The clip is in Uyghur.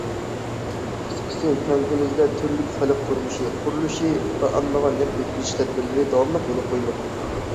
قىسقىسى، كەنتىمىزدە تۈرلۈك خەلق تۇرمۇشى قۇرۇلۇشى ۋە ئاممىغا نەپ يەتكۈزۈش تەدبىرلىرى داۋاملىق يولغا قويۇلۇۋاتىدۇ.